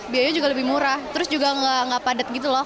biayanya juga lebih murah terus juga nggak padat gitu loh